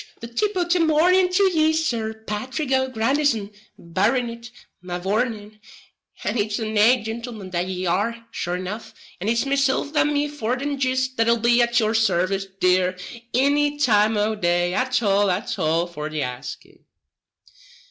the tip o' the mornin' to ye, Sir Pathrick O'Grandison, Barronitt, mavourneen; and it's a nate gintleman that ye are, sure enough, and it's mesilf and me forten jist that'll be at yur sarvice, dear, inny time o' day at all at all for the asking."